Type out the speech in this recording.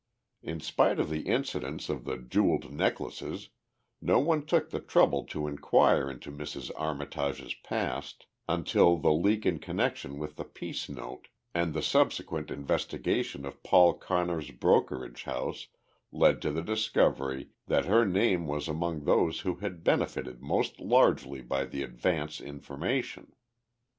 In spite of the incidents of the jeweled necklaces, no one took the trouble to inquire into Mrs. Armitage's past until the leak in connection with the peace note and the subsequent investigation of Paul Connor's brokerage house led to the discovery that her name was among those who had benefited most largely by the advance information.